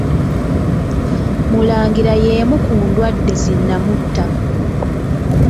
Mulangira y'emu ku ndwadde zi nnamutta.